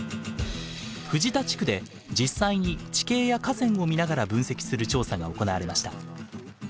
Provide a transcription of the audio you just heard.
藤田地区で実際に地形や河川を見ながら分析する調査が行われました。